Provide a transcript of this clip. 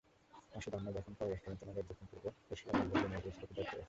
আশুদ আহমেদ এখন পররাষ্ট্র মন্ত্রণালয়ের দক্ষিণ-পূর্ব এশিয়া অনুবিভাগের মহাপরিচালকের দায়িত্বে আছেন।